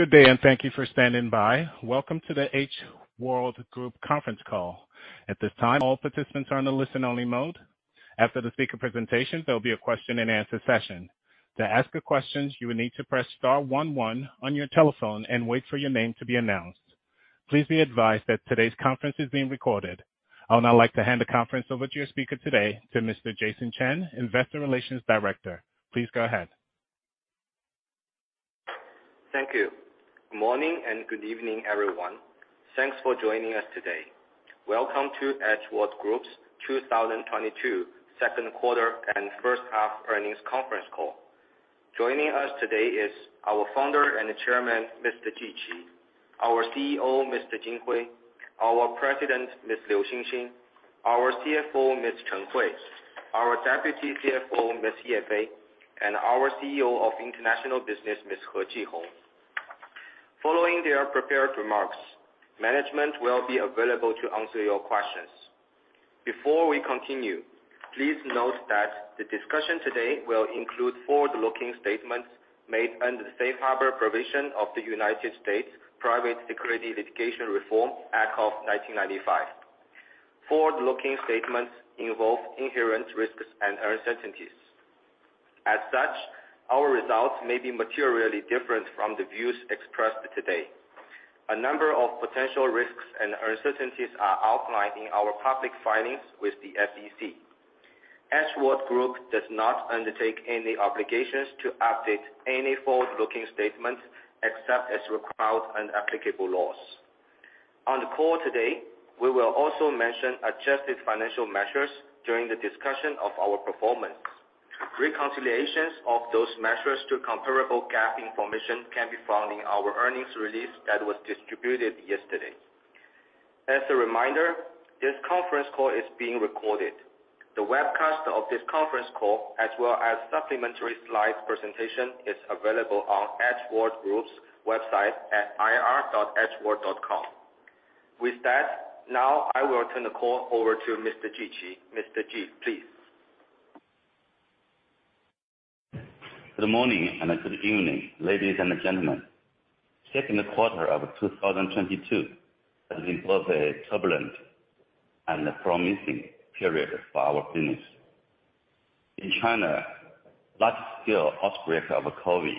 Good day, and thank you for standing by. Welcome to the H World Group conference call. At this time, all participants are in a listen-only mode. After the speaker presentation, there'll be a question-and-answer session. To ask a question, you will need to press star one one on your telephone and wait for your name to be announced. Please be advised that today's conference is being recorded. I would now like to hand the conference over to your speaker today, to Mr. Jason Chen, Investor Relations Director. Please go ahead. Thank you. Morning, and good evening, everyone. Thanks for joining us today. Welcome to H World Group's 2022 second quarter and first half earnings conference call. Joining us today is our founder and chairman, Mr. JI Qi, our CEO, Mr. Jin Hui, our president, Ms. Xinxin Liu, our CFO, Ms. Chen Hui, our Deputy CFO, Ms. Ye Fei, and our CEO of International Business, Ms. He Jihong. Following their prepared remarks, management will be available to answer your questions. Before we continue, please note that the discussion today will include forward-looking statements made under the safe harbor provision of the United States Private Securities Litigation Reform Act of 1995. Forward-looking statements involve inherent risks and uncertainties. As such, our results may be materially different from the views expressed today. A number of potential risks and uncertainties are outlined in our public filings with the SEC. H World Group does not undertake any obligations to update any forward-looking statements except as required in applicable laws. On the call today, we will also mention adjusted financial measures during the discussion of our performance. Reconciliation of those measures to comparable GAAP information can be found in our earnings release that was distributed yesterday. As a reminder, this conference call is being recorded. The webcast of this conference call, as well as supplementary slides presentation, is available on H World Group's website at ir.hworld.com. With that, now I will turn the call over to Mr. Ji Qi. Mr. Ji, please. Good morning, and good evening, ladies and gentlemen. Second quarter of 2022 has been both a turbulent and a promising period for our business. In China, large-scale outbreak of COVID,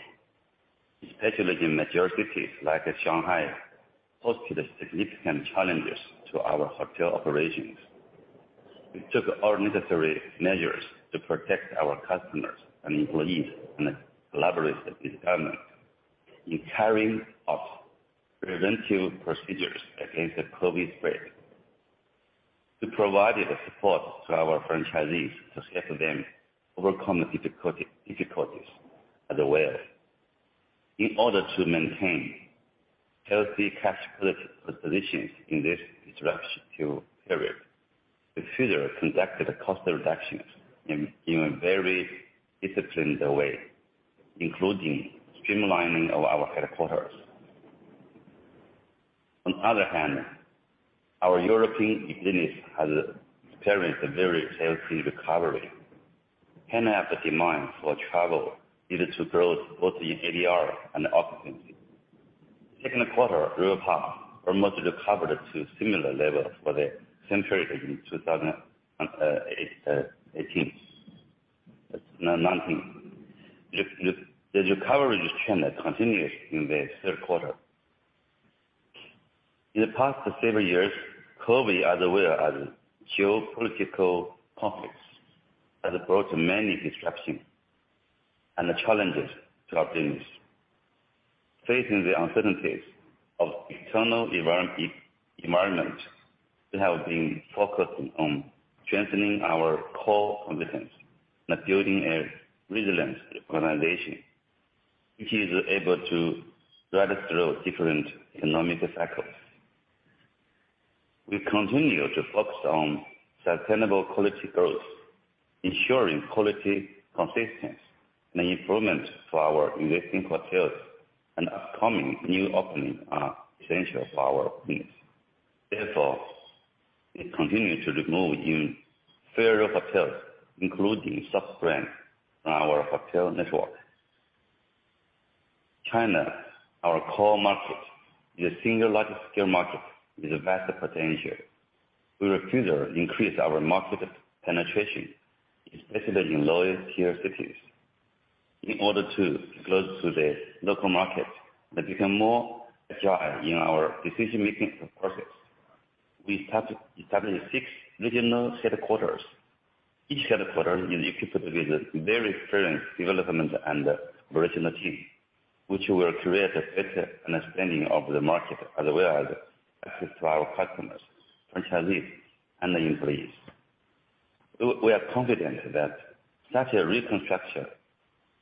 especially in major cities like Shanghai, posed significant challenges to our hotel operations. We took all necessary measures to protect our customers and employees in a collaborative development in carrying out preventive procedures against the COVID spread. We provided the support to our franchisees to help them overcome the difficulties as well. In order to maintain healthy cash flow positions in this disruptive period, we further conducted cost reductions in a very disciplined way, including streamlining of our headquarters. On the other hand, our European business has experienced a very healthy recovery. Pent-up demand for travel needed to grow both in ADR and occupancy. Second quarter RevPAR almost recovered to similar levels for the same period in 2019. The recovery trend continues in the third quarter. In the past several years, COVID as well as geopolitical conflicts has brought many disruptions and challenges to our business. Facing the uncertainties of external environment, we have been focusing on strengthening our core competence and building a resilient organization which is able to ride through different economic cycles. We continue to focus on sustainable quality growth, ensuring quality, consistency, and improvement for our existing hotels and upcoming new openings are essential for our business. Therefore, we continue to remove inferior hotels, including sub-brands, from our hotel network. China, our core market, is the single largest scale market with a vast potential. We will further increase our market penetration, especially in lower-tier cities. In order to be close to the local market and become more agile in our decision-making process, we have established six regional headquarters. Each headquarters is equipped with a very experienced development and operations team, which will create a better understanding of the market as well as access to our customers, franchisees, and employees. We are confident that such a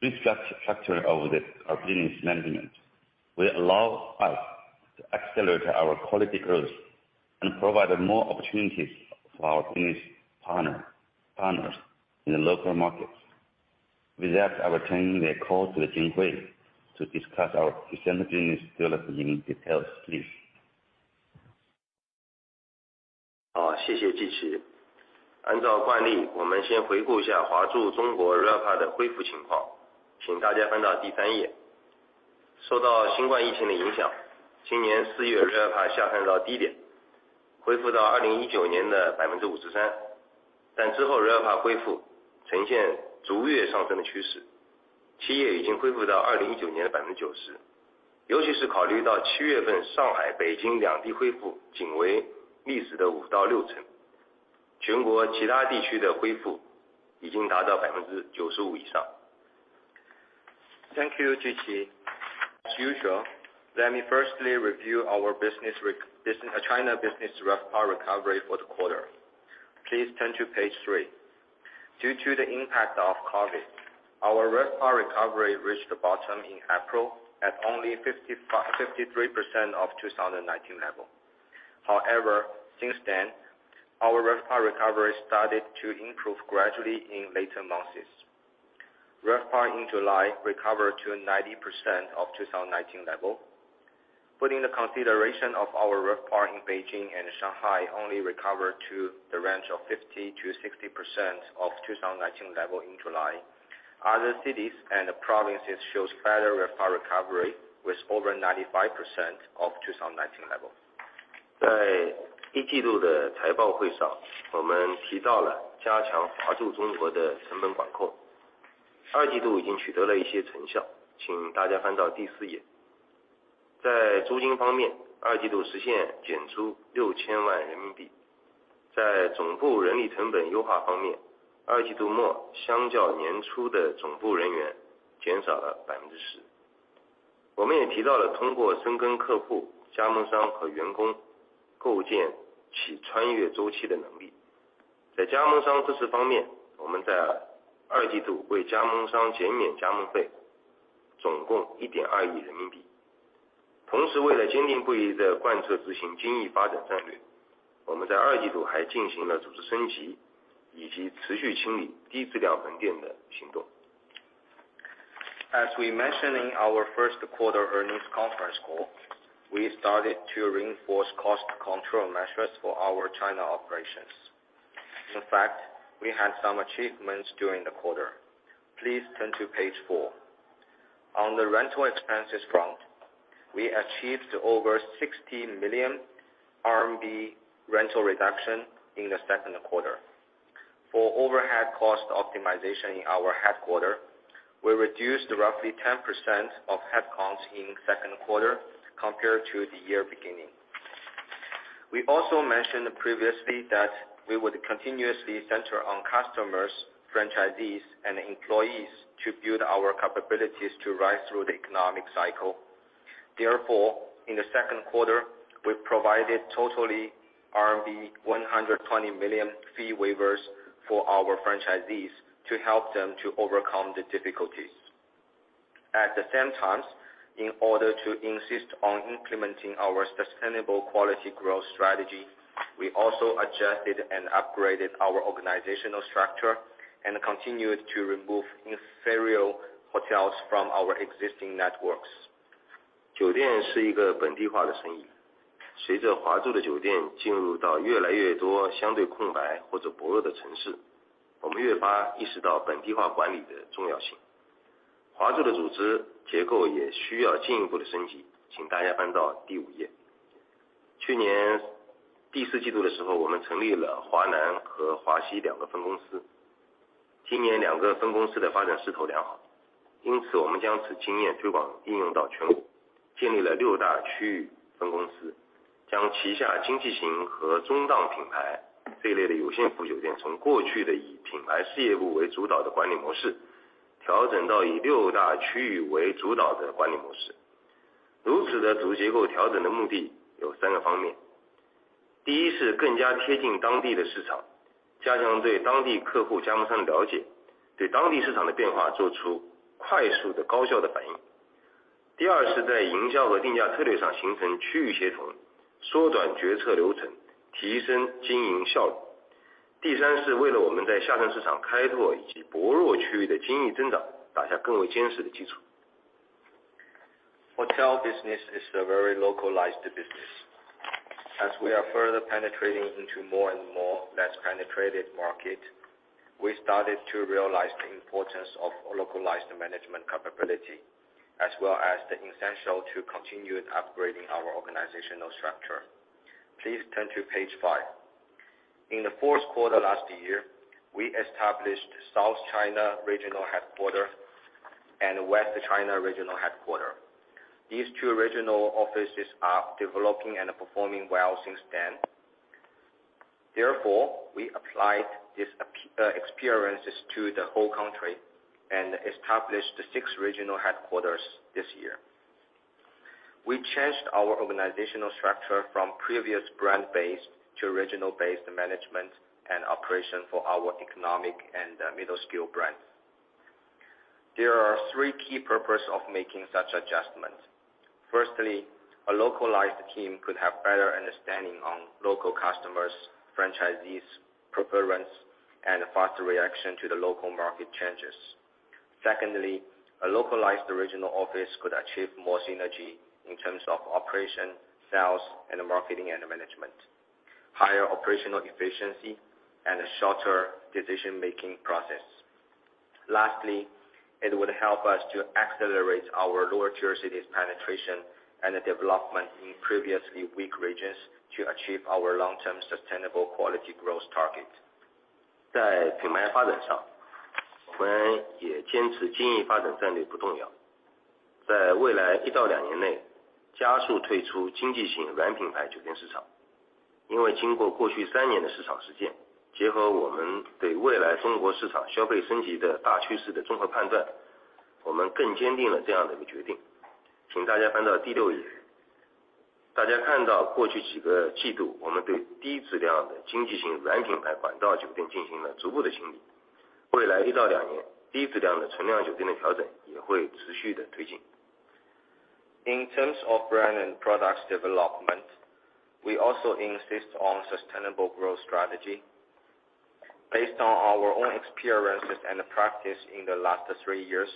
restructuring of our business management will allow us to accelerate our quality growth and provide more opportunities for our business partners in the local markets. With that, I will turn the call to Hui Jin to discuss our recent business development in detail. Please. Thank you, Qi Ji. As usual, let me firstly review our China business RevPAR recovery for the quarter. Please turn to page 3. Due to the impact of COVID, our RevPAR recovery reached the bottom in April at only 53% of 2019 level. However, since then, our RevPAR recovery started to improve gradually in later months. RevPAR in July recovered to 90% of 2019 level. Putting the consideration of our RevPAR in Beijing and Shanghai only recovered to the range of 50%-60% of 2019 level in July, other cities and provinces shows further RevPAR recovery with over 95% of 2019 level. As we mentioned in our first quarter earnings conference call, we started to reinforce cost control measures for our China operations. In fact, we had some achievements during the quarter. Please turn to page 4. On the rental expenses front, we achieved 60 million RMB rental reduction in the second quarter. For overhead cost optimization in our headquarter, we reduced roughly 10% of headcounts in second quarter compared to the year beginning. We also mentioned previously that we would continuously center on customers, franchisees, and employees to build our capabilities to rise through the economic cycle. Therefore, in the second quarter, we provided totally RMB 120 million fee waivers for our franchisees to help them to overcome the difficulties. At the same time, in order to insist on implementing our sustainable quality growth strategy, we also adjusted and upgraded our organizational structure and continued to remove inferior hotels from our existing networks. Hotel business is a very localized business. As we are further penetrating into more and more less penetrated market, we started to realize the importance of localized management capability as well as the essential to continued upgrading our organizational structure. Please turn to page 5. In the fourth quarter last year, we established South China regional headquarter and West China regional headquarter. These two regional offices are developing and performing well since then. Therefore, we applied this experiences to the whole country and established six regional headquarters this year. We changed our organizational structure from previous brand based to regional based management and operation for our economic and midscale brands. There are three key purpose of making such adjustments. Firstly, a localized team could have better understanding on local customers, franchisees, preference and a faster reaction to the local market changes. Secondly, a localized regional office could achieve more synergy in terms of operation, sales and the marketing and the management, higher operational efficiency and a shorter decision-making process. Lastly, it would help us to accelerate our lower tier cities penetration and the development in previously weak regions to achieve our long term sustainable quality growth target. In terms of brand and products development, we also insist on sustainable growth strategy based on our own experiences and the practice in the last 3 years.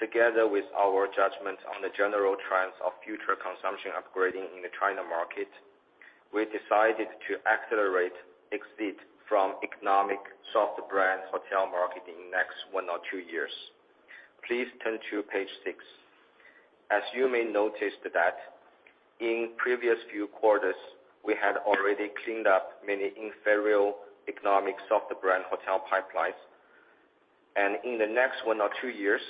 Together with our judgment on the general trends of future consumption upgrading in the China market, we decided to accelerate exit from economic soft brand hotel market in next 1 or 2 years. Please turn to page 6. As you may noticed that in previous few quarters, we had already cleaned up many inferior economic soft brand hotel pipelines. In the next 1 or 2 years,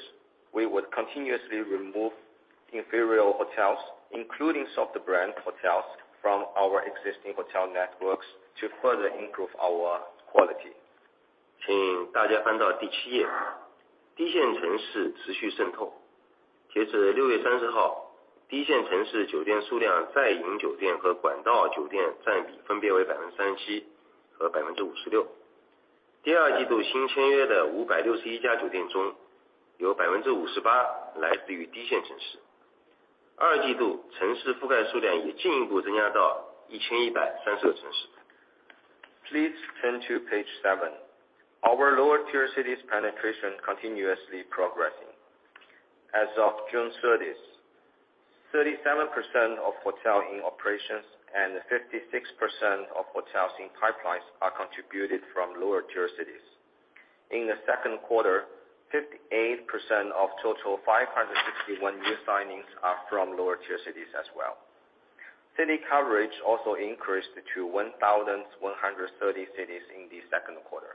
we would continuously remove inferior hotels, including soft brand hotels, from our existing hotel networks to further improve our quality. 请大家翻到第七页。低线城市持续渗透。截止六月三十号，低线城市酒店数量在营酒店和管道酒店占比分别为37%和56%。第二季度新签约的561家酒店中，有58%来自于低线城市。二季度城市覆盖数量也进一步增加到1,132个城市。Please turn to page 7. Our lower-tier cities penetration continuously progressing. As of June 30th, 37% of hotels in operation and 56% of hotels in pipeline are contributed from lower-tier cities. In the second quarter, 58% of total 561 new signings are from lower-tier cities as well. City coverage also increased to 1,130 cities in the second quarter.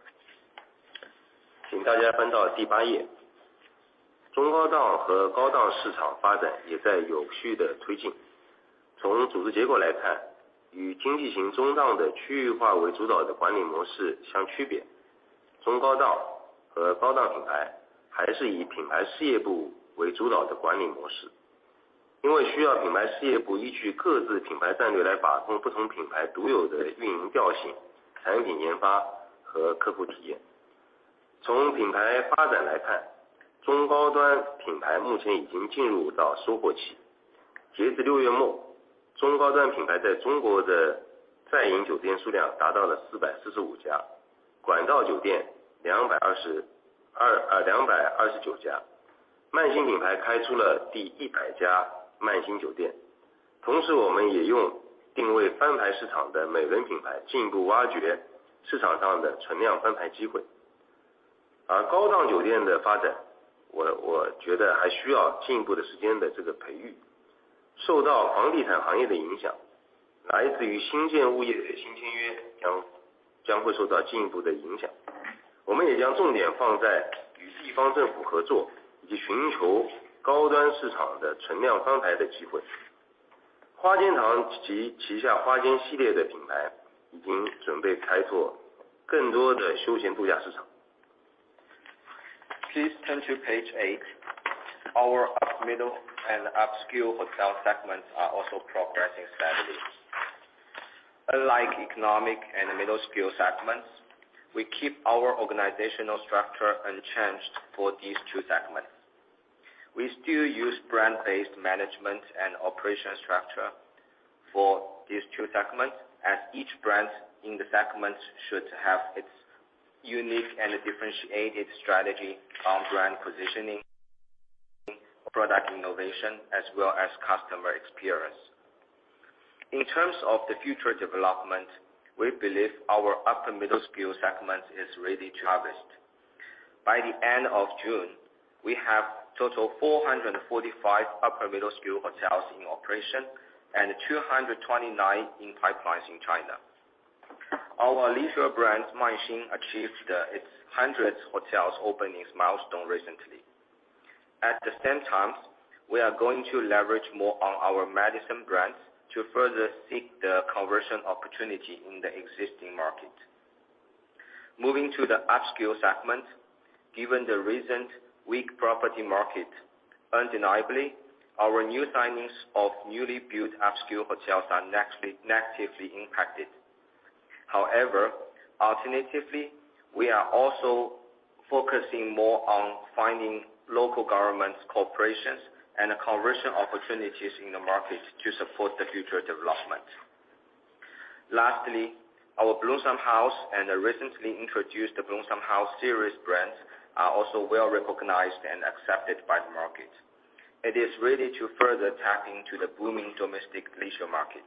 Please turn to page eight. Our upper midscale and upscale hotel segments are also progressing steadily. Unlike economy and midscale segments, we keep our organizational structure unchanged for these two segments. We still use brand-based management and operational structure for these two segments, as each brand in the segments should have its unique and differentiated strategy on brand positioning, product innovation, as well as customer experience. In terms of the future development, we believe our upper midscale segment is ready to harvest. By the end of June, we have total 445 upper midscale hotels in operation and 229 in pipelines in China. Our leisure brand Manxin achieved its hundredth hotel opening milestone recently. At the same time, we are going to leverage more on our Madison brands to further seek the conversion opportunity in the existing market. Moving to the upscale segment. Given the recent weak property market, undeniably, our new signings of newly built upscale hotels are heavily, negatively impacted. However, alternatively, we are also focusing more on finding local government corporations and conversion opportunities in the markets to support the future development. Lastly, our Blossom House and the recently introduced Blossom House series brands are also well-recognized and accepted by the market. It is ready to further tap into the booming domestic leisure market.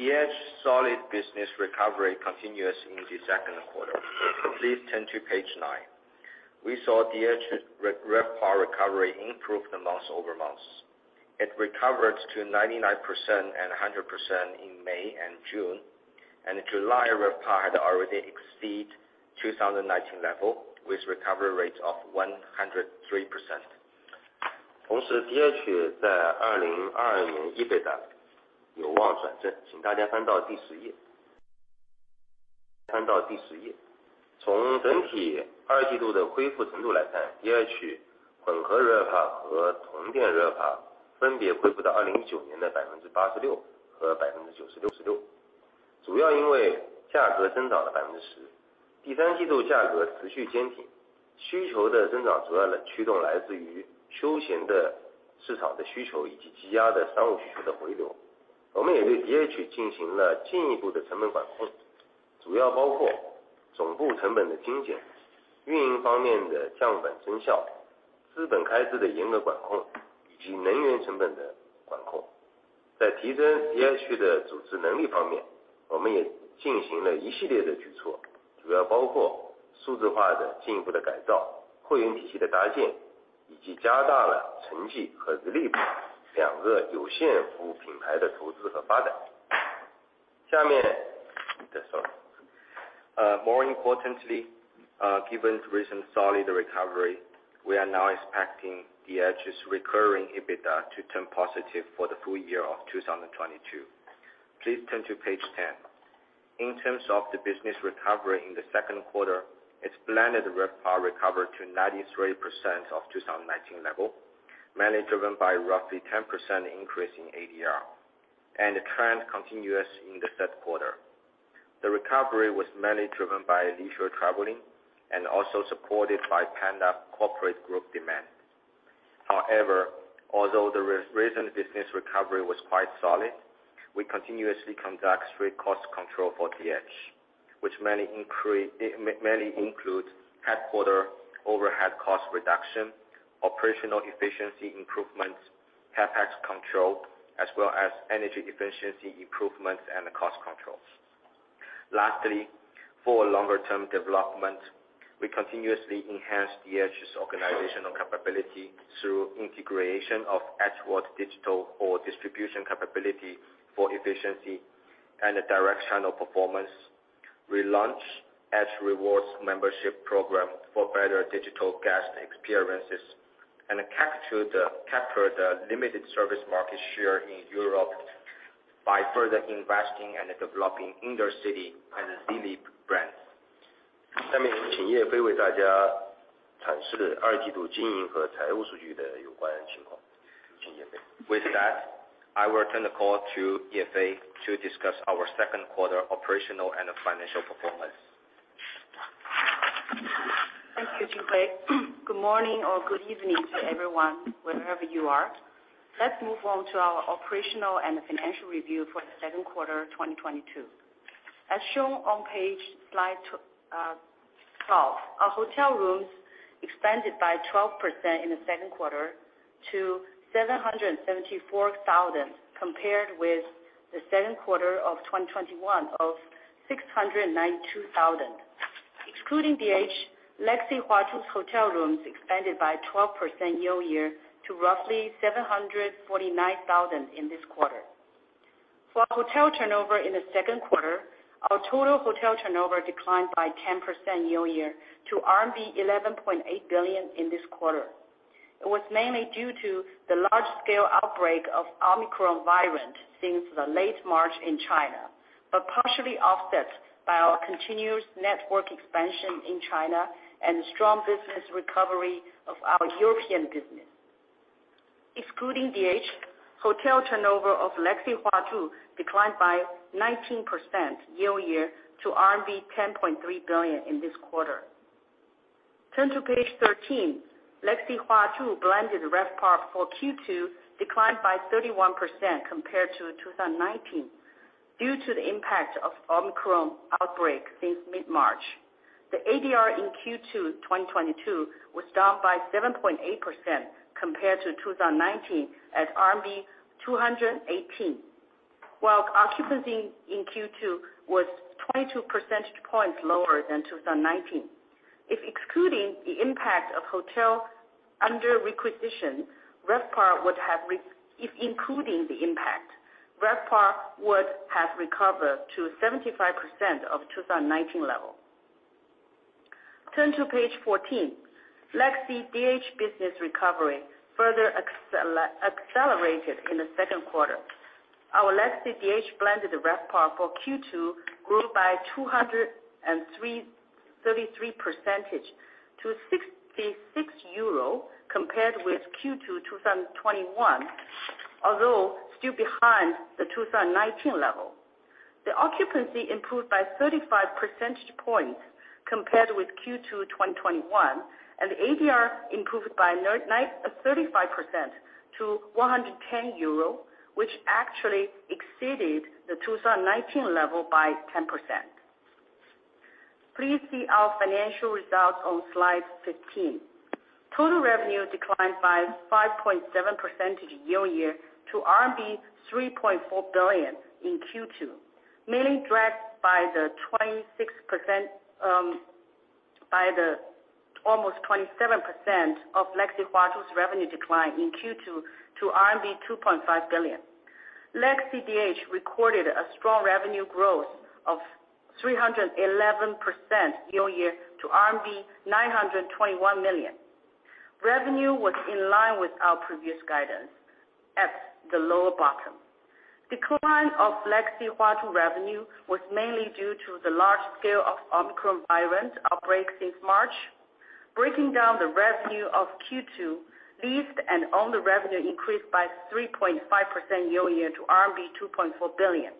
DH solid business recovery continues in the second quarter. Please turn to page 9. We saw DH's RevPAR recovery improve month-over-month. It recovered to 99% and 100% in May and June, and July RevPAR had already exceed 2019 level with recovery rate of 103%. More importantly, given recent solid recovery, we are now expecting DH's recurring EBITDA to turn positive for the full year of 2022. Please turn to page 10. In terms of the business recovery in the second quarter, its blended RevPAR recovered to 93% of 2019 level, mainly driven by roughly 10% increase in ADR, and the trend continues in the third quarter. The recovery was mainly driven by leisure traveling and also supported by pan-European corporate group demand. However, although the recent business recovery was quite solid, we continuously conduct strict cost control for DH, which mainly includes headquarter overhead cost reduction, operational efficiency improvements, CapEx control, as well as energy efficiency improvements and the cost controls. Lastly, for longer term development, we continuously enhance DH's organizational capability through integration of H World digital and distribution capability for efficiency and the direct channel performance. Relaunch H Rewards membership program for better digital guest experiences, and capture the limited service market share in Europe by further investing and developing Intercity and Zleep brands. With that, I will turn the call to Fei Ye to discuss our second quarter operational and financial performance. Thank you, Jin Hui. Good morning or good evening to everyone, wherever you are. Let's move on to our operational and financial review for the second quarter of 2022. As shown on slide 12, our hotel rooms expanded by 12% in the second quarter to 774,000, compared with the second quarter of 2021 of 692,000. Excluding DH, Legacy Huazhu's hotel rooms expanded by 12% year-over-year to roughly 749,000 in this quarter. For our hotel turnover in the second quarter, our total hotel turnover declined by 10% year-over-year to RMB 11.8 billion in this quarter. It was mainly due to the large scale outbreak of Omicron variant since late March in China, but partially offset by our continuous network expansion in China and the strong business recovery of our European business. Excluding DH, hotel turnover of Legacy Huazhu declined by 19% year-over-year to RMB 10.3 billion in this quarter. Turn to page 13. Legacy Huazhu blended RevPAR for Q2 declined by 31% compared to 2019 due to the impact of Omicron outbreak since mid-March. The ADR in Q2 2022 was down by 7.8% compared to 2019 at RMB 218, while occupancy in Q2 was 22 percentage points lower than 2019. If excluding the impact of hotel under requisition, RevPAR would have. If including the impact, RevPAR would have recovered to 75% of 2019 level. Turn to page 14. Legacy DH business recovery further accelerated in the second quarter. Our Legacy DH blended RevPAR for Q2 grew by 233% to 66 compared with Q2 2021, although still behind the 2019 level. The occupancy improved by 35 percentage points compared with Q2 2021, and the ADR improved by 35% to 110 euro, which actually exceeded the 2019 level by 10%. Please see our financial results on slide 15. Total revenue declined by 5.7% year-over-year to RMB 3.4 billion in Q2, mainly dragged by the 26%, by the almost 27% of Legacy Huazhu's revenue decline in Q2 to RMB 2.5 billion. Legacy DH recorded a strong revenue growth of 311% year-over-year to RMB 921 million. Revenue was in line with our previous guidance at the lower bottom. Decline of Legacy Huazhu revenue was mainly due to the large scale of Omicron variant outbreak since March. Breaking down the revenue of Q2, leased and owned revenue increased by 3.5% year-over-year to RMB 2.4 billion.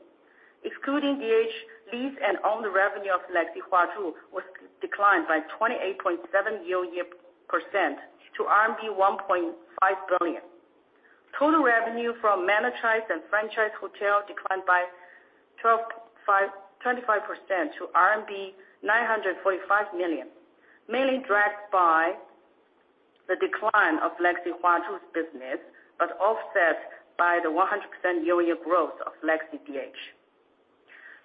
Excluding DH, leased and owned revenue of Legacy Huazhu was declined by 28.7% year-over-year to RMB 1.5 billion. Total revenue from managed and franchised hotels declined by 25% to RMB 945 million, mainly dragged by the decline of Legacy Huazhu's business, but offset by the 100% year-over-year growth of Legacy DH.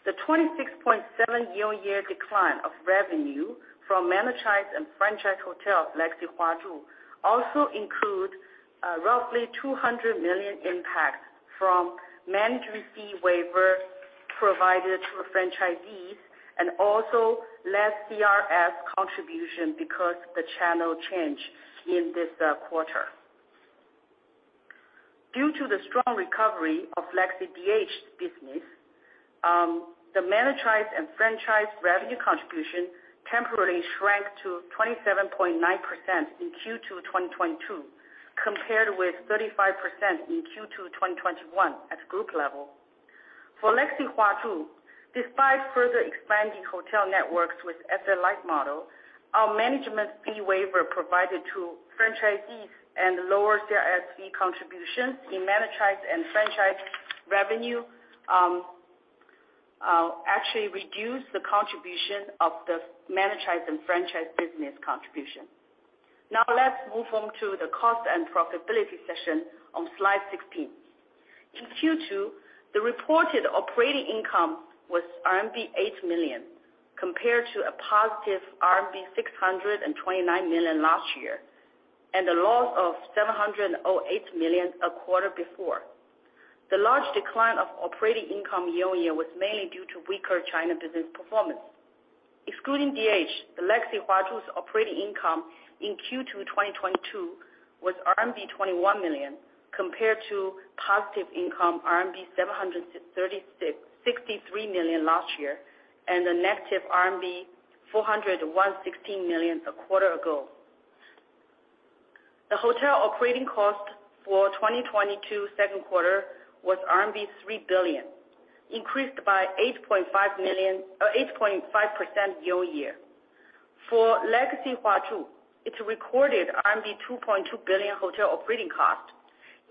The 26.7 year-over-year decline of revenue from managed and franchised hotels, Legacy Huazhu, also includes roughly 200 million impact from management fee waiver provided to franchisees and also less CRS contribution because the channel change in this quarter. Due to the strong recovery of Legacy DH business, the managed and franchised revenue contribution temporarily shrank to 27.9% in Q2 2022, compared with 35% in Q2 2021 at group level. For Legacy Huazhu, despite further expanding hotel networks with asset-light model, our management fee waiver provided to franchisees and lower CRS fee contributions in managed and franchised revenue, actually reduced the contribution of the managed and franchised business contribution. Now let's move on to the cost and profitability section on slide 16. In Q2, the reported operating income was RMB 8 million, compared to a positive RMB 629 million last year, and a loss of 708 million a quarter before. The large decline of operating income year-over-year was mainly due to weaker China business performance. Excluding DH, the Legacy Huazhu's operating income in Q2, 2022 was RMB 21 million, compared to positive income RMB 763 million last year, and a negative RMB 416 million a quarter ago. The hotel operating cost for 2022 second quarter was RMB 3 billion, increased by 8.5% year-over-year. For Legacy Huazhu, it recorded RMB 2.2 billion hotel operating cost,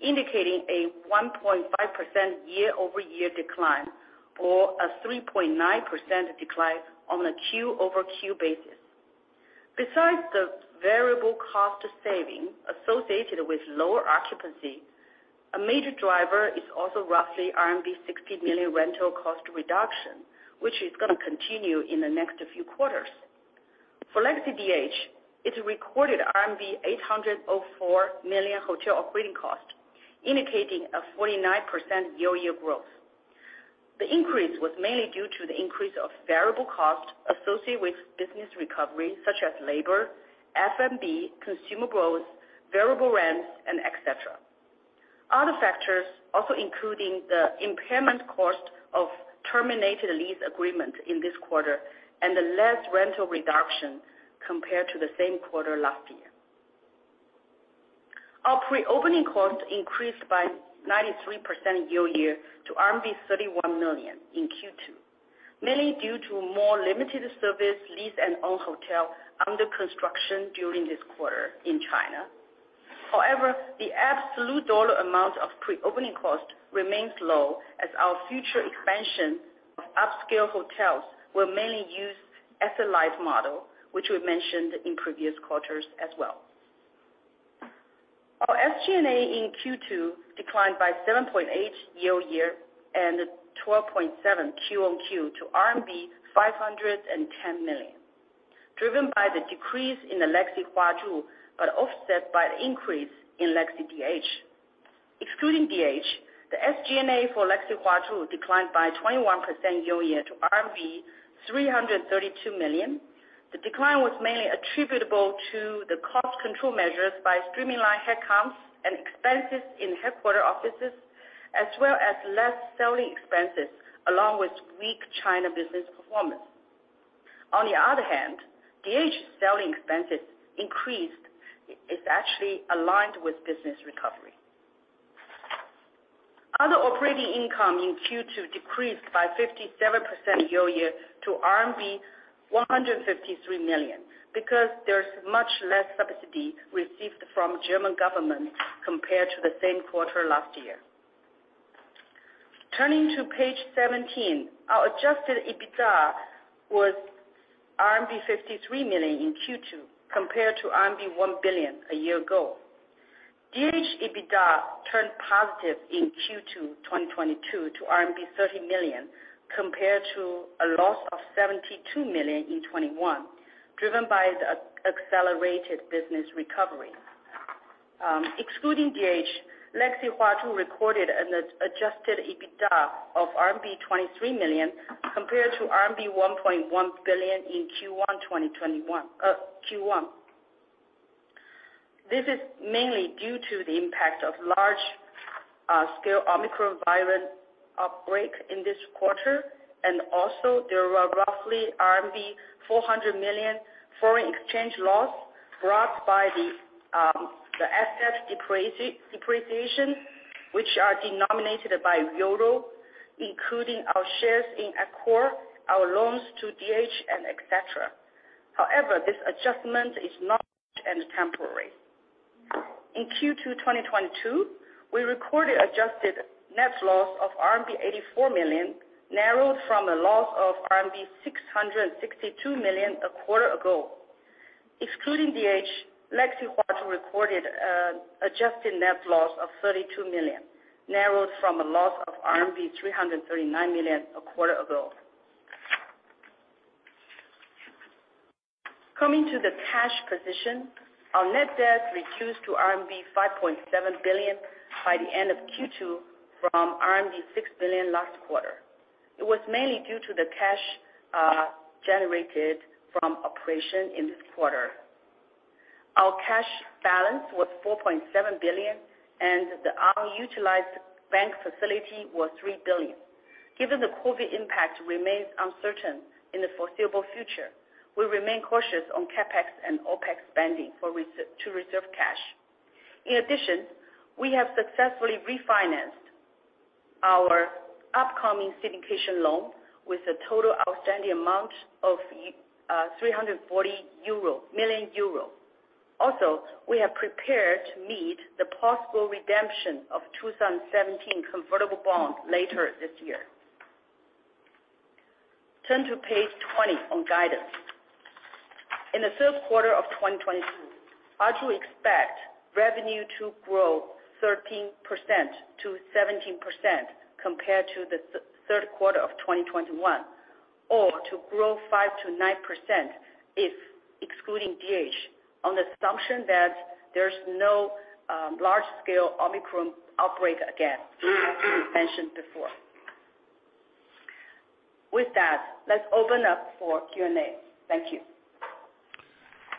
indicating a 1.5% year-over-year decline or a 3.9% decline on a Q-over-Q basis. Besides the variable cost saving associated with lower occupancy, a major driver is also roughly RMB 60 million rental cost reduction, which is gonna continue in the next few quarters. For Legacy DH, it recorded RMB 804 million hotel operating cost, indicating a 49% year-over-year growth. The increase was mainly due to the increase of variable cost associated with business recovery, such as labor, F&B, consumables, variable rents, and et cetera. Other factors also including the impairment cost of terminated lease agreement in this quarter and the less rental reduction compared to the same quarter last year. Our pre-opening cost increased by 93% year-over-year to RMB 31 million in Q2, mainly due to more limited service lease and owned hotel under construction during this quarter in China. However, the absolute dollar amount of pre-opening cost remains low as our future expansion of upscale hotels will mainly use asset-light model, which we've mentioned in previous quarters as well. Our SG&A in Q2 declined by 7.8% year-over-year and 12.7% quarter-on-quarter to RMB 510 million, driven by the decrease in the Legacy Huazhu, but offset by the increase in Legacy DH. Excluding DH, the SG&A for Legacy Huazhu declined by 21% year-over-year to RMB 332 million. The decline was mainly attributable to the cost control measures by streamlining headcounts and expenses in headquarters offices, as well as less selling expenses, along with weak China business performance. On the other hand, DH selling expenses increased. It's actually aligned with business recovery. Other operating income in Q2 decreased by 57% year-over-year to RMB 153 million, because there's much less subsidy received from German government compared to the same quarter last year. Turning to page seventeen. Our adjusted EBITDA was RMB 53 million in Q2 compared to RMB 1 billion a year ago. DH EBITDA turned positive in Q2 2022 to RMB 30 million compared to a loss of 72 million in 2021, driven by the accelerated business recovery. Excluding DH, Legacy Huazhu recorded an adjusted EBITDA of RMB 23 million compared to RMB 1.1 billion in Q1 2021, Q1. This is mainly due to the impact of large scale Omicron virus outbreak in this quarter. Also there were roughly RMB 400 million foreign exchange loss brought by the asset depreciation, which are denominated in euro, including our shares in Accor, our loans to DH and et cetera. However, this adjustment is temporary. In Q2 2022, we recorded adjusted net loss of RMB 84 million, narrowed from a loss of RMB 662 million a quarter ago. Excluding DH, Legacy Huazhu recorded adjusted net loss of 32 million, narrowed from a loss of RMB 339 million a quarter ago. Coming to the cash position, our net debt reduced to RMB 5.7 billion by the end of Q2 from RMB 6 billion last quarter. It was mainly due to the cash generated from operation in this quarter. Our cash balance was 4.7 billion and the unutilized bank facility was 3 billion. Given the COVID impact remains uncertain in the foreseeable future, we remain cautious on CapEx and OpEx spending to reserve cash. In addition, we have successfully refinanced our upcoming syndication loan with a total outstanding amount of 340 million euro. Also, we are prepared to meet the possible redemption of 2017 convertible bond later this year. Turn to page 20 on guidance. In the third quarter of 2022, Huazhu expect revenue to grow 13%-17% compared to the third quarter of 2021, or to grow 5%-9% if excluding DH, on the assumption that there's no large-scale Omicron outbreak again, as we mentioned before. With that, let's open up for Q&A. Thank you.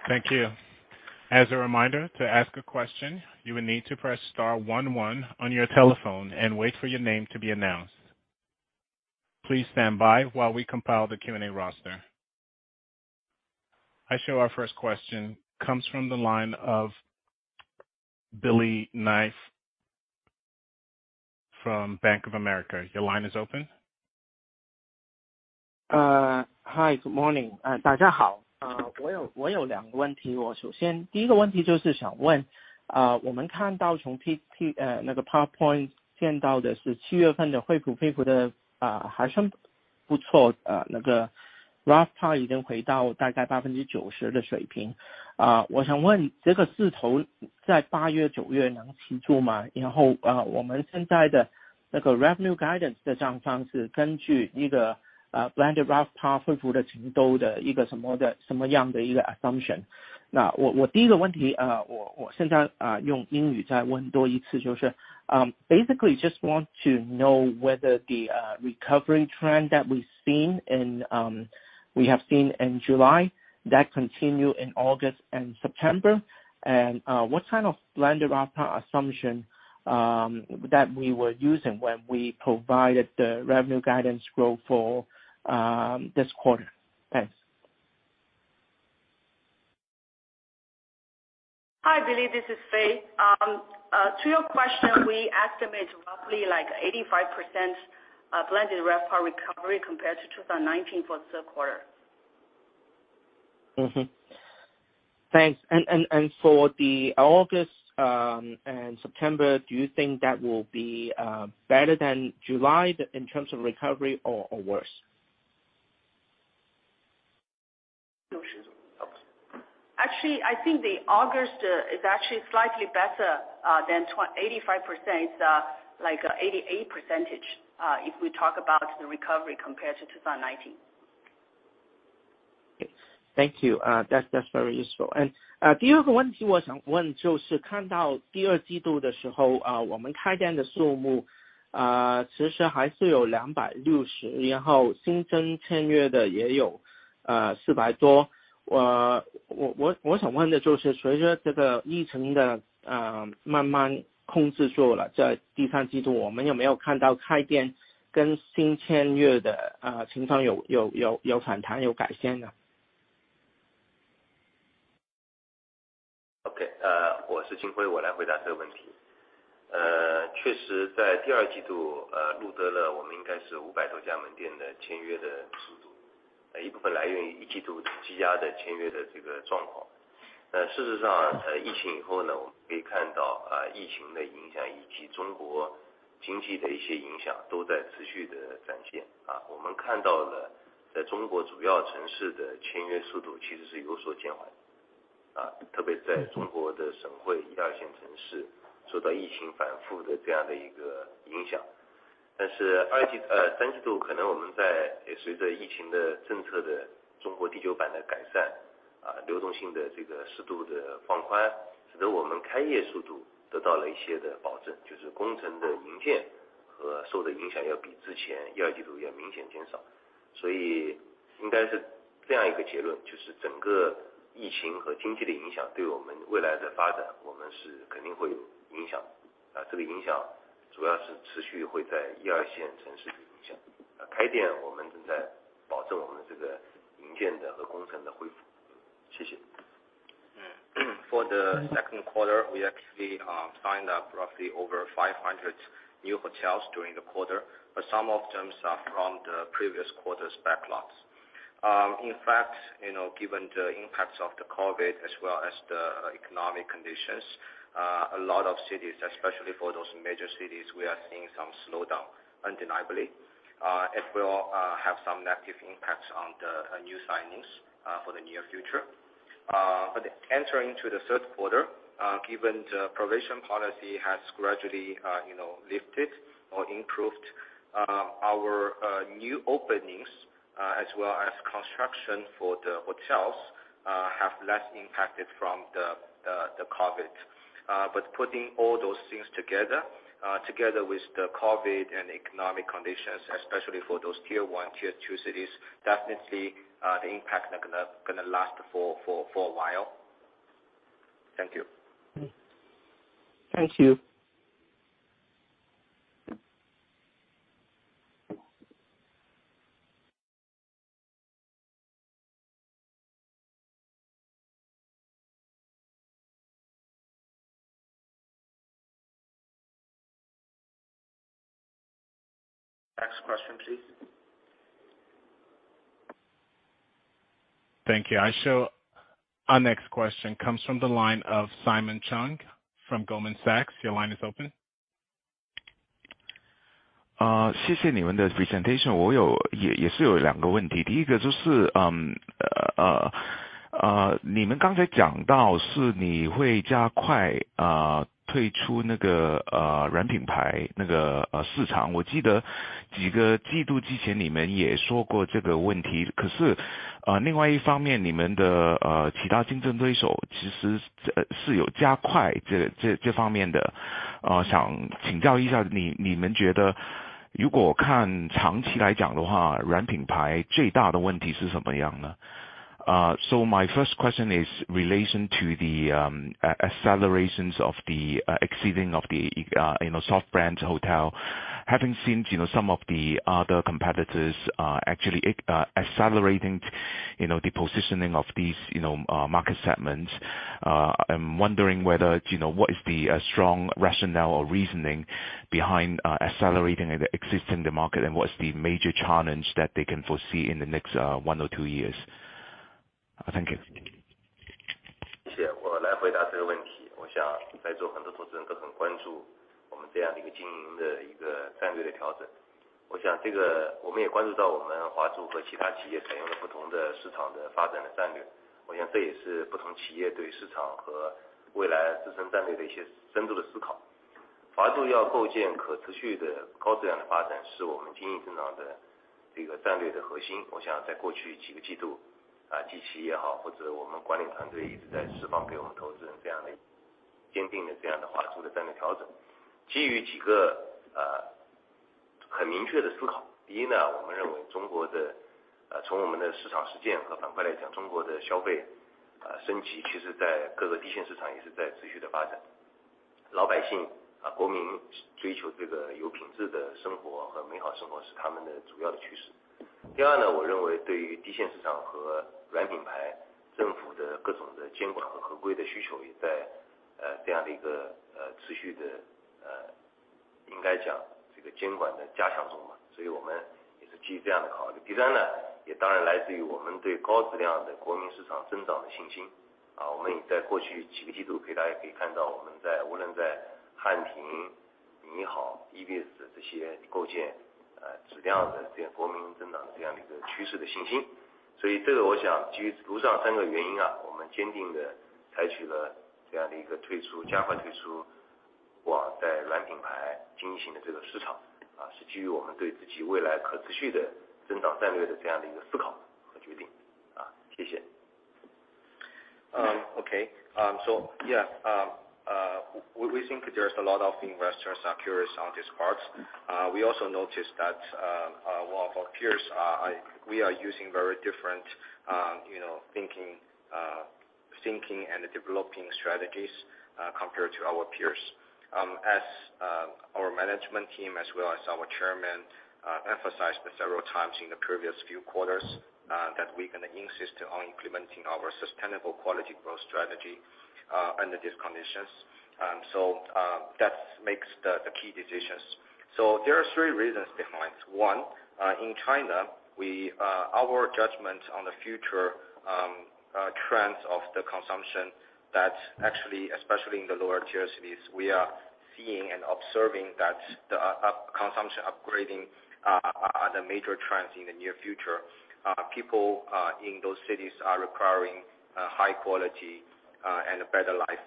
Thank you. As a reminder, to ask a question, you will need to press star one one on your telephone and wait for your name to be announced. Please stand by while we compile the Q&A roster. Our first question comes from the line of Billy Ng from Bank of America. Your line is open. Hi, good morning. Basically just want to know whether the recovery trend that we've seen in we have seen in July that continue in August and September. What kind of blended RevPAR assumption that we were using when we provided the revenue guidance growth for this quarter? Thanks. Hi, Billy, this is Faye. To your question, we estimate roughly like 85% blended RevPAR recovery compared to 2019 for third quarter. Thanks. For August and September, do you think that will be better than July in terms of recovery or worse? Actually, I think the August is actually slightly better than 85%. It's like 88%, if we talk about the recovery compared to 2019. 谢谢。第二个问题我想问就是，看到第二季度的时候，我们开店的数目其实还是有260，然后新增签约的也有400多。我想问的就是，随着这个疫情慢慢控制住了，在第三季度我们有没有看到开店跟新签约的情况有反弹、有改善呢？ For the second quarter, we actually signed up roughly over 500 new hotels during the quarter, but some of them are from the previous quarters' backlogs. In fact, you know, given the impacts of the COVID as well as the economic conditions, a lot of cities, especially for those major cities, we are seeing some slowdown undeniably. It will have some negative impacts on the new signings for the near future. Entering the third quarter, given the prevention policy has gradually, you know, lifted or improved, our new openings as well as construction for the hotels have less impacted from the COVID. Putting all those things together with the COVID and economic conditions, especially for those tier one, tier two cities, definitely, the impact are gonna last for a while. Thank you. Thank you. Next question, please. Thank you. Our next question comes from the line of Simon Cheung from Goldman Sachs. Your line is open. 谢谢你们的 presentation。我有两个问题，第一个就是，你们刚才讲到是你会加快推出那个软品牌那个市场。我记得几个季度之前你们也说过这个问题，可是，另外一方面，你们的其他竞争对手其实是有加快这方面的。想请教一下你，你们觉得如果看长期来讲的话，软品牌最大的问题是什么样呢？So my first question is in relation to the acceleration of the exceeding of the soft brand hotel. Having seen, you know, some of the other competitors, actually, accelerating, you know, the positioning of these, you know, market segments. I'm wondering whether, you know, what is the strong rationale or reasoning behind accelerating and exiting the market and what is the major challenge that they can foresee in the next one or two years? Thank you. We think there's a lot of investors are curious on this parts. We also notice that one of our peers, we are using very different, you know, thinking and developing strategies compared to our peers. As our management team as well as our chairman emphasize several times in the previous few quarters that we gonna insist on implementing our sustainable quality growth strategy under these conditions. That's makes the key decisions. There are three reasons behind. One, in China, our judgment on the future trends of the consumption that actually especially in the lower tier cities we are seeing and observing that the up-consumption upgrading are the major trends in the near future. People in those cities are requiring a high quality and a better life,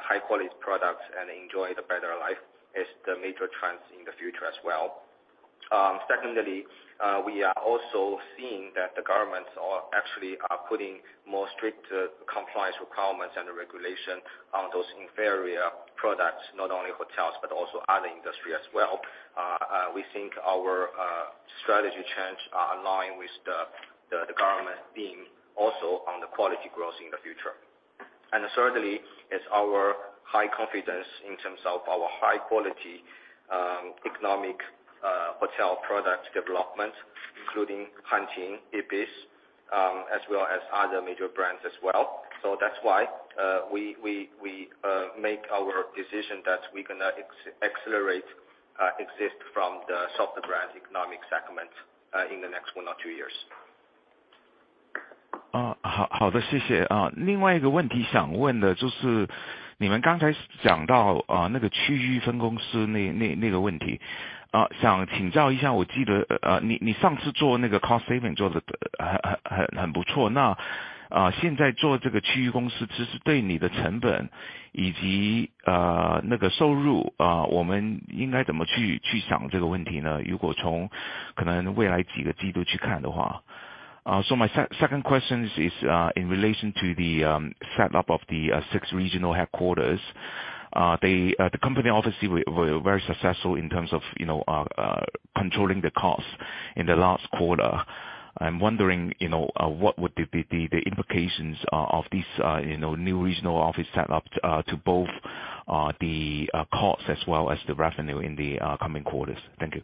high quality products and enjoy the better life is the major trends in the future as well. Secondly, we are also seeing that the governments are actually putting more strict compliance requirements and the regulation on those inferior products, not only hotels, but also other industry as well. We think our strategy trends are aligned with the government being also on the quality growth in the future. Thirdly, it's our high confidence in terms of our high quality economic hotel product development, including HanTing, Ibis, as well as other major brands as well. That's why we make our decision that we gonna exit from the softer brand economic segments in the next one or two years. 好的，谢谢。另外一个问题想问的就是你们刚才讲到，那个区域分公司那个问题，想请教一下，我记得，你上次做那个cost saving做的很不错，那，现在做这个区域公司其实对你的成本以及，那个收入，我们应该怎么去想这个问题呢？如果从可能未来几个季度去看的话。My second question is in relation to the set up of the six regional headquarters. The company obviously were very successful in terms of you know controlling the costs in the last quarter. I'm wondering, you know, what would the implications of this, you know, new regional office set up to both the costs as well as the revenue in the coming quarters. Thank you.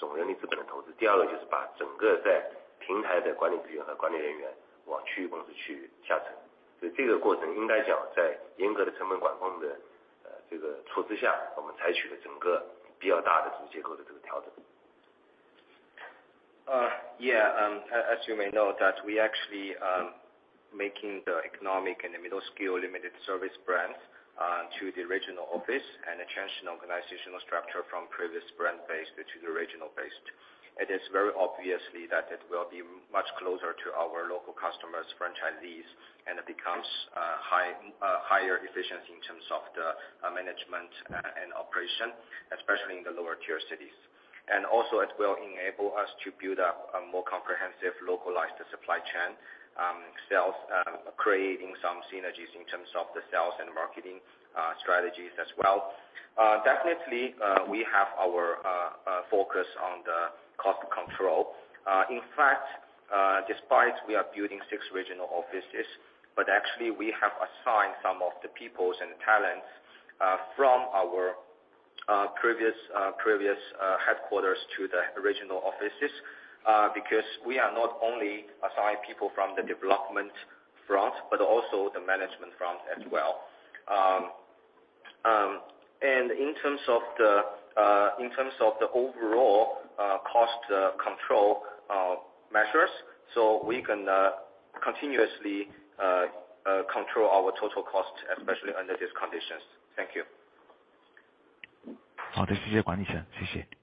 As you may know, we actually are moving the economic and the midscale limited service brands to the regional office and a change in organizational structure from previous brand-based to the regional-based. It is very obvious that it will be much closer to our local customers, franchisees, and it becomes higher efficiency in terms of the management and operation, especially in the lower tier cities. It will enable us to build up a more comprehensive, localized supply chain, sales, creating some synergies in terms of the sales and marketing strategies as well. We definitely have our focus on the cost control. In fact, despite we are building six regional offices, but actually we have assigned some of the people and talents from our previous headquarters to the regional offices. Because we are not only assign people from the development front, but also the management front as well. In terms of the overall cost control measures, so we can continuously control our total cost, especially under these conditions. Thank you. 好的，谢谢王理事，谢谢。那个，这两个问题挺好的，我想做一些补充啊。我是季琦。Thank you.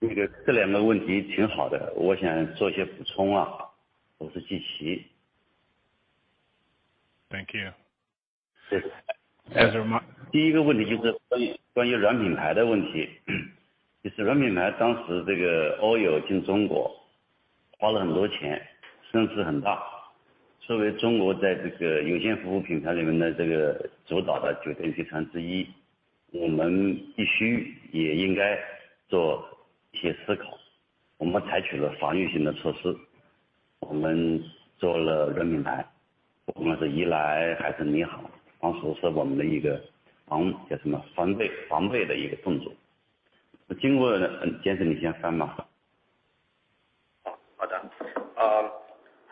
第一个问题就是关于软品牌的问题。软品牌，当时这个OYO进中国花了很多钱，声势很大。作为中国在这个酒店服务品牌里面的这个主导的酒店集团之一，我们必须也应该做一些思考。我们采取了防御性的措施，我们做了软品牌，不管是怡莱还是你好，当时是我们的一个防，叫什么，防备，防备的一个动作。经过了——Jason，你先翻译。Okay.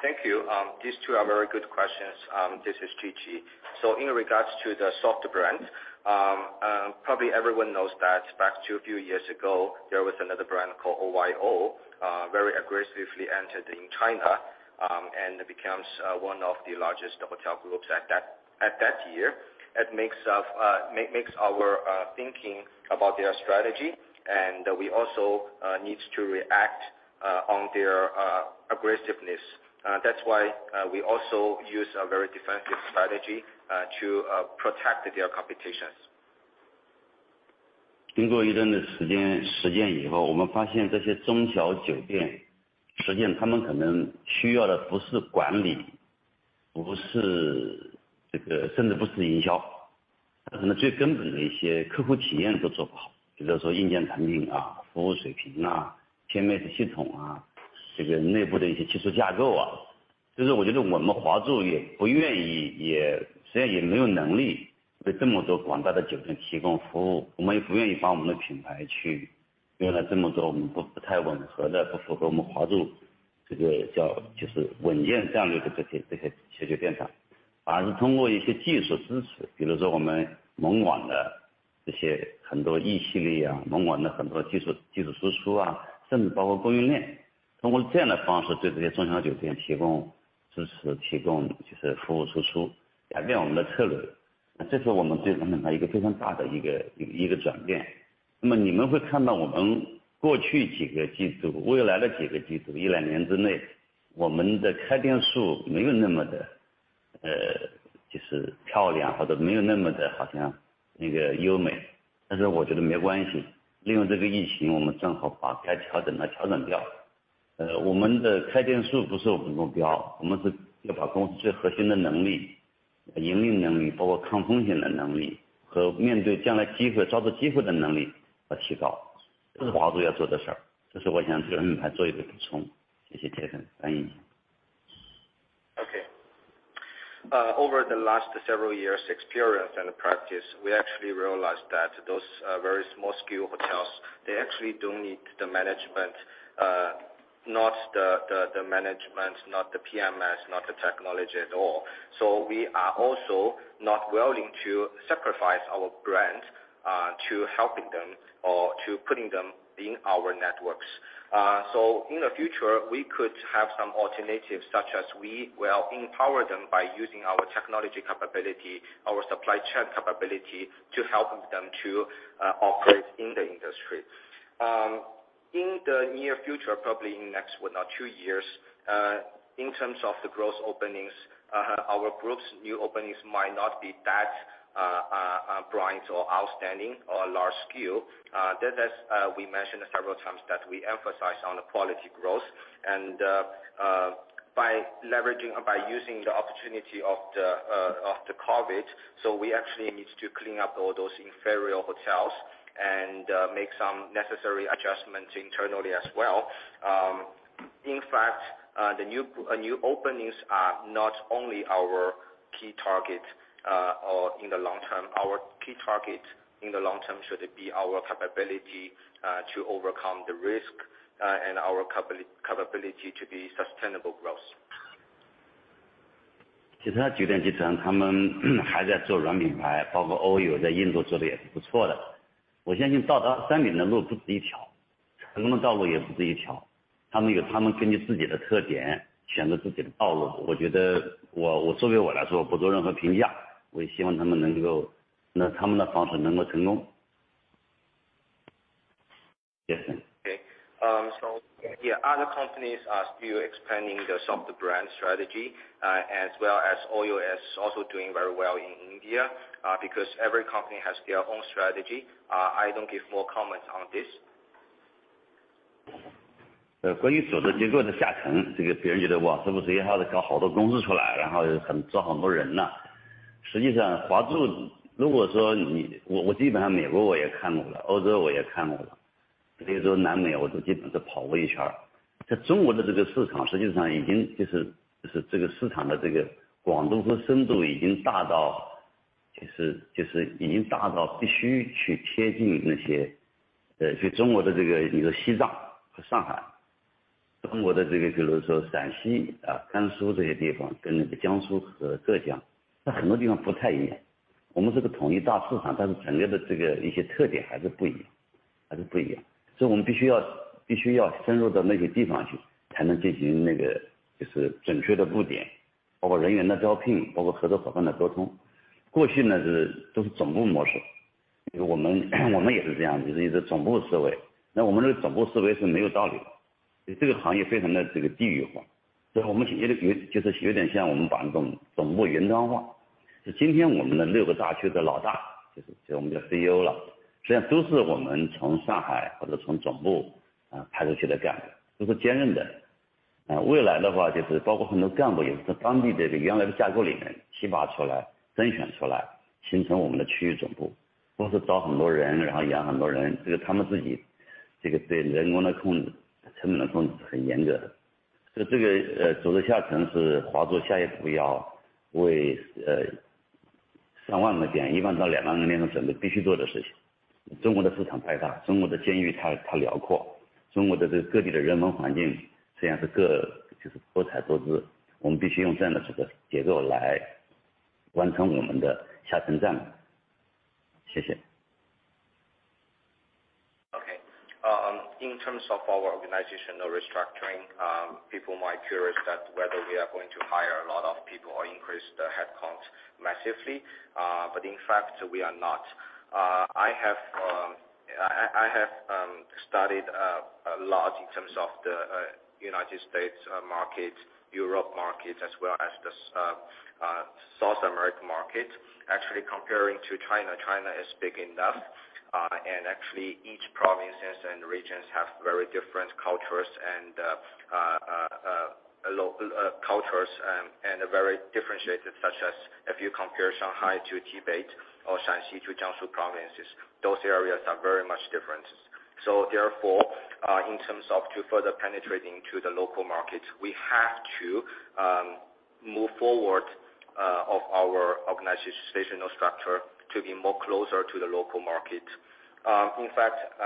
Thank you, these two are very good questions. This is Qi Ji. In regards to the soft brand, probably everyone knows that back a few years ago, there was another brand called OYO, very aggressively entered in China, and becomes one of the largest hotel groups at that year. It makes our thinking about their strategy, and we also needs to react on their aggressiveness. That's why we also use a very defensive strategy to protect their competitions. Okay, over the last several years experience and practice, we actually realized that those very small scale hotels, they actually don't need the management, not the management, not the PMS, not the technology at all. We are also not willing to sacrifice our brand to helping them or to putting them in our networks. In the future, we could have some alternatives, such as we will empower them by using our technology capability, our supply chain capability to help them to operate in the industry. In the near future, probably in next one or two years, in terms of the growth openings, our group's new openings might not be that bright or outstanding or large scale, that is, we mentioned several times that we emphasize on the quality growth and by using the opportunity of the COVID, so we actually need to clean up all those inferior hotels and make some necessary adjustments internally as well. In fact, the new openings are not only our key target, or in the long term, our key target in the long term should be our capability to overcome the risk and our capability to be sustainable growth. 其他酒店集团他们还在做软品牌，包括OYO在印度做得也是不错的。我相信到达山顶的路不只一条，成功的道路也不只一条，他们有他们根据自己的特点选择自己的道路。我觉得我，我作为我来说不做任何评价，我也希望他们能够，他们的方式能够成功。Jason。Okay, yeah, other companies are still expanding the soft brand strategy, as well as OYO is also doing very well in India, because every company has their own strategy. I don't give more comments on this. Okay, in terms of our organizational restructuring, people might be curious whether we are going to hire a lot of people or increase the headcounts massively. In fact, we are not. I have studied a lot in terms of the United States market, Europe market as well as the South America market. Actually comparing to China is big enough. Actually each provinces and regions have very different cultures and very differentiated, such as if you compare Shanghai to Tibet or Shaanxi to Jiangsu provinces, those areas are very much different. Therefore, in terms of further penetrating the local market, we have to move forward of our organizational structure to be closer to the local market. In fact,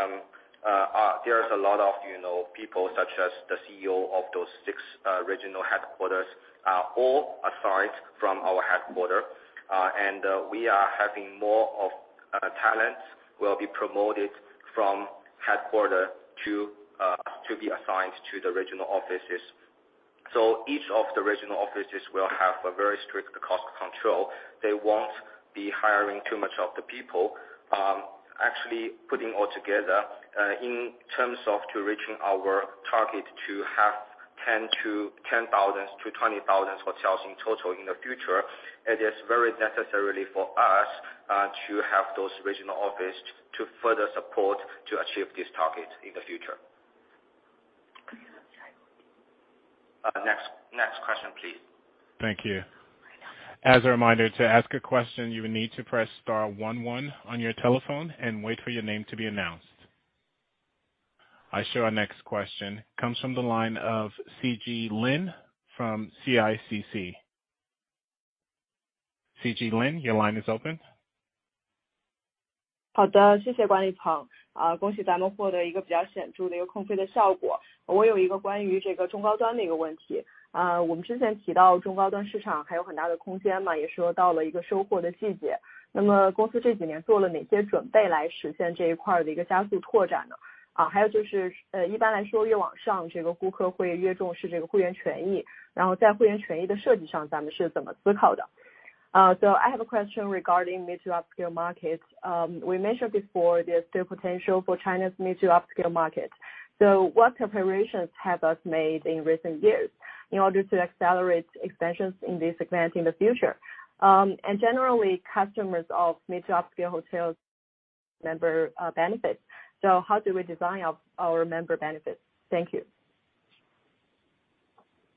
there's a lot of, you know, people such as the CEO of those six regional headquarters are all assigned from our headquarters, and we are having more of talents will be promoted from headquarters to be assigned to the regional offices. So each of the regional offices will have a very strict cost control. They won't be hiring too much of the people. Actually putting all together, in terms of reaching our target to have 10,000-20,000 hotels in total in the future, it is very necessary for us to have those regional offices to further support to achieve this target in the future. Next question, please. Thank you. As a reminder, to ask a question, you will need to press star one one on your telephone and wait for your name to be announced. Our next question comes from the line of Sujie Lin from CICC. Sujie Lin, your line is open. 好的，谢谢管理层。恭喜咱们获得一个比较显著的控费的效果。我有一个关于中高端的问题，我们之前提到中高端市场还有很大的空间嘛，也是说到了一个收获的季节。那么公司这几年做了哪些准备来实现这一块的加速拓展呢？还有就是，一般来说，越往上这个顾客会越重视这个会员权益，然后在会员权益的设计上，咱们是怎么思考的？So I have a question regarding mid to upscale markets. We mentioned before, there's still potential for China's mid- to upscale markets. What preparations have we made in recent years in order to accelerate expansions in this segment in the future? Generally, customers of mid- to upscale hotels' member benefits. How do we design our member benefits? Thank you.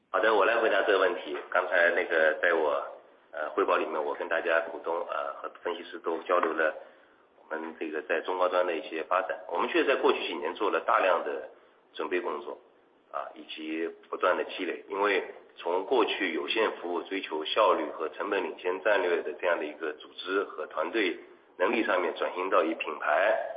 好的，我来回答这个问题。刚才那个在我汇报里面，我跟大家、股东和分析师都交流了我们这个在中高端的一些发展，我们确实在过去几年做了大量的准备工作，以及不断的积累，因为从过去有限服务追求效率和成本领先战略的这样的一个组织和团队能力上面，转型到以品牌和客户体验为导向的这样的一个新的市场，我们确实迈过了很多的这样的一个能力的边界，也突破了过去的舒适区。所以总体而言，在两个维度上面我们做了积极的准备。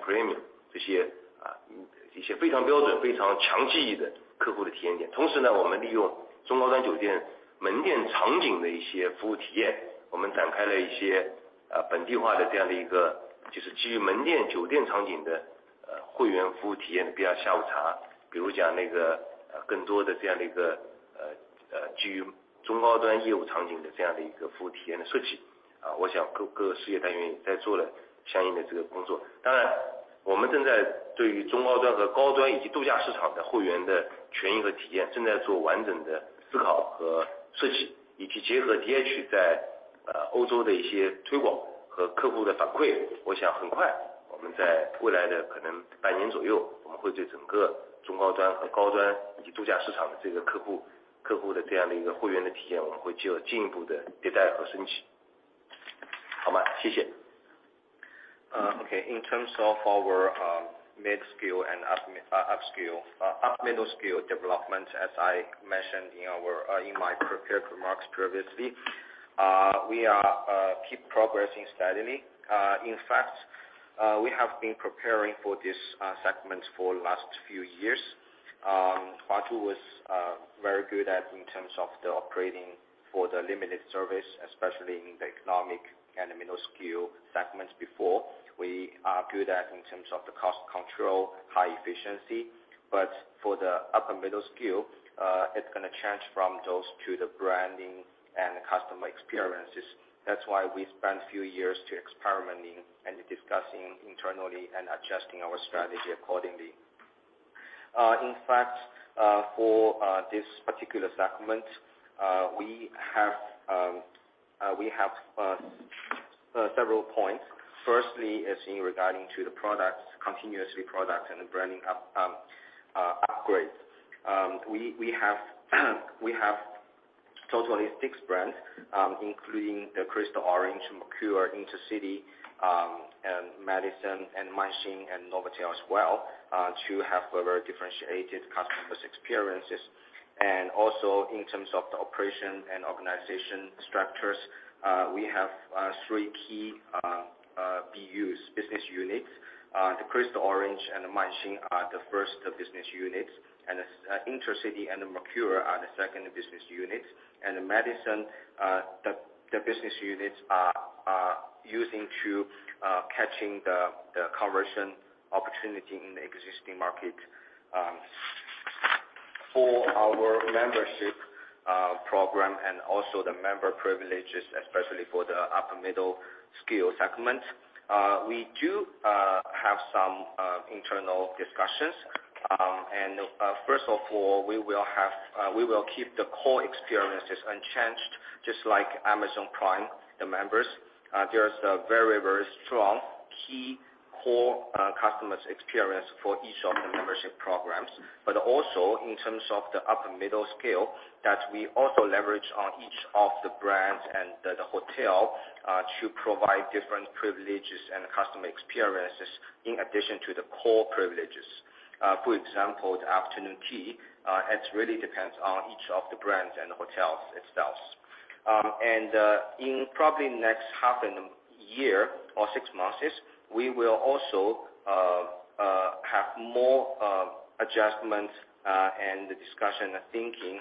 Prime这些，一些非常标准、非常强记忆的客户的体验点。Okay. In terms of our midscale and upscale, upper midscale development, as I mentioned in my prepared remarks previously, we keep progressing steadily. In fact, we have been preparing for this segment for last few years. Huazhu was very good at in terms of the operating for the limited service, especially in the economy and the midscale segments before. We are good at in terms of the cost control, high efficiency, but for the upper midscale, it's gonna change from those to the branding and the customer experiences. That's why we spent a few years to experimenting and discussing internally and adjusting our strategy accordingly. In fact, for this particular segment, we have several points. First, in regard to the products, continuous product and branding upgrade. We have totally 6 brands, including the Crystal Orange, Mercure, IntercityHotel, and Madison and Manxin and Novotel as well, to have a very differentiated customer experiences. Also in terms of the operation and organization structures, we have 3 key BUs, business units. The Crystal Orange and the Manxin are the first business units, and IntercityHotel and the Mercure are the second business units. The Madison business units are using to catch the conversion opportunity in the existing market. For our membership program and also the member privileges, especially for the upper midscale segment, we do have some internal discussions. First of all, we will keep the core experiences unchanged, just like Amazon Prime, the members. There is a very strong key core customer experience for each of the membership programs. But also in terms of the upper midscale, that we also leverage on each of the brands and the hotels to provide different privileges and customer experiences in addition to the core privileges. For example, the afternoon tea, it really depends on each of the brands and the hotels itself. In probably next half a year or six months, we will also have more adjustments and discussion and thinking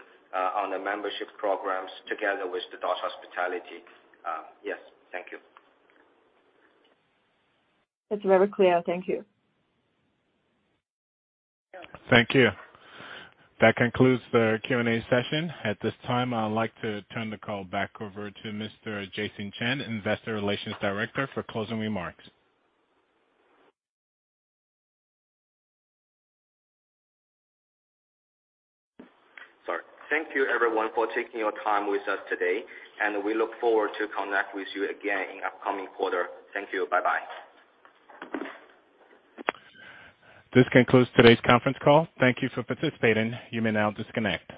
on the membership programs together with the Deutsche Hospitality. Yes. Thank you. It's very clear. Thank you. Thank you. That concludes the Q&A session. At this time, I'd like to turn the call back over to Mr. Jason Chen, Investor Relations Director, for closing remarks. Sorry. Thank you everyone for taking your time with us today, and we look forward to connect with you again in upcoming quarter. Thank you. Bye-bye. This concludes today's conference call. Thank you for participating. You may now disconnect.